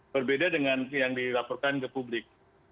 berbeda dengan yang dilaporkan ke publik